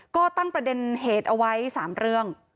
ก็ตั้งประเด็นเหตุเอาไว้๓เรื่อง